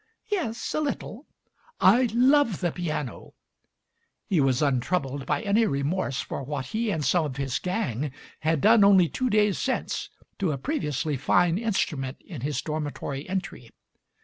"Yes, a little." "I love the piano." He was untroubled by any remorse for what he and some of his gang had done only two days since to a previously fine instrument in his dormitory entry.